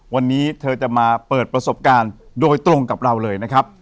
วันนี้เธอจะมาเปิดประสบการณ์โดยตรงกับเราเลยนะครับ